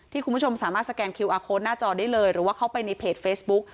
คุณผู้ชมสามารถสแกนคิวอาร์โค้ดหน้าจอได้เลยหรือว่าเข้าไปในเพจเฟซบุ๊ก